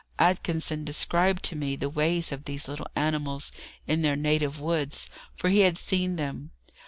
Atkinson described to me the ways of these little animals in their native woods, for he had seen them.